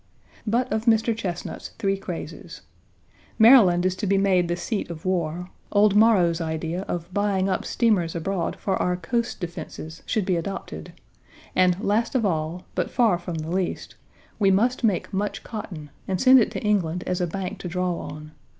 But of Mr. Chesnut's three crazes: Maryland is to be made the seat of war, old Morrow's idea of buying up Page 56 steamers abroad for our coast defenses should be adopted, and, last of all, but far from the least, we must make much cotton and send it to England as a bank to draw on.